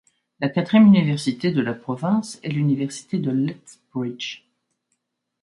La quatrième université de la province est l'Université de Lethbridge.